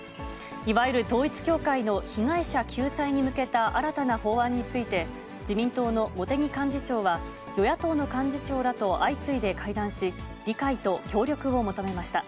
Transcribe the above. いわゆる統一教会の被害者救済に向けた新たな法案について、自民党の茂木幹事長は、与野党の幹事長らと相次いで会談し、理解と協力を求めました。